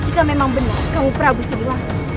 jika memang benar kamu prabu sejumlah